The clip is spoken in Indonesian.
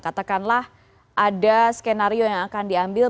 katakanlah ada skenario yang akan diambil